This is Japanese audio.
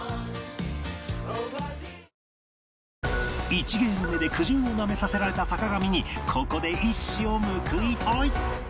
１ゲーム目で苦汁をなめさせられた坂上にここで一矢を報いたい